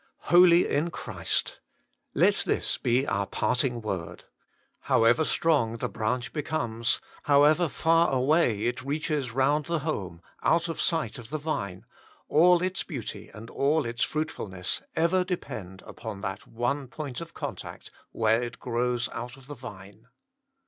4. Holy in Christ. Let this be our parting word. However strong the branch becomes, however far away it reaches round the home, out of sight 280 HOLY IN CHRIST. of the vine, all its beauty and all its fruitfulness ever depend upon that one point of contact where it grows out of the vine.